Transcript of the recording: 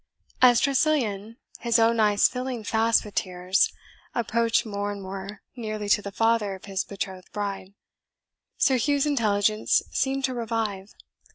As Tressilian, his own eyes filling fast with tears, approached more and more nearly to the father of his betrothed bride, Sir Hugh's intelligence seemed to revive.